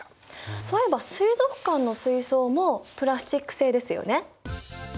そういえば水族館の水槽もプラスチック製ですよね。